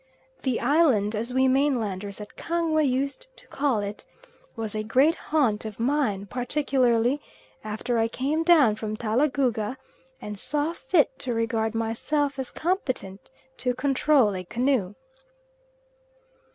The island, as we mainlanders at Kangwe used to call it, was a great haunt of mine, particularly after I came down from Talagouga and saw fit to regard myself as competent to control a canoe.